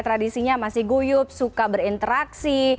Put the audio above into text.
tradisinya masih guyup suka berinteraksi